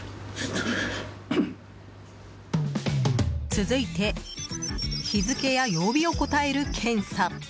続いて日付や曜日を答える検査。